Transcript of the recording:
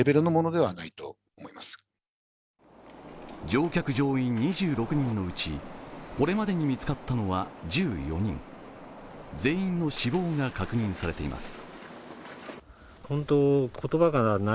乗客・乗員２６名のうちこれまでに見つかったのは１４人、全員の死亡が確認されています。